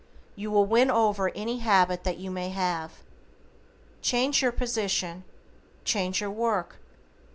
You will win over any habit that you may have. Change your position. Change your work.